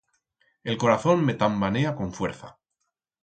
El corazón me tambanea con fuerza.